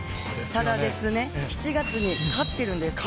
ただ、７月に勝っているんです。